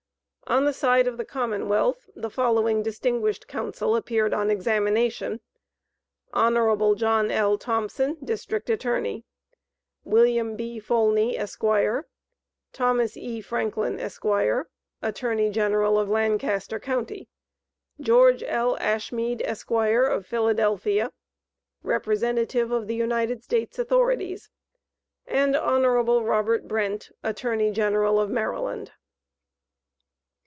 On the side of the Commonwealth, the following distinguished counsel appeared on examination: Hon. John L. Thompson, District Attorney; Wm. B. Faulney, Esq.; Thos. E. Franklin, Esq., Attorney General of Lancaster county; George L. Ashmead, Esq., of Philadelphia, representative of the United States authorities; and Hon. Robert Brent, Attorney General of Maryland.